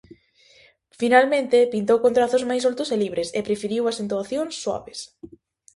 Finalmente, pintou con trazos máis soltos e libres e preferiu as entoacións suaves.